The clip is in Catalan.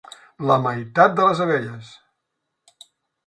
La meitat de les abelles.